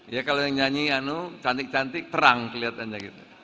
ya kalau yang nyanyi cantik cantik terang kelihatannya gitu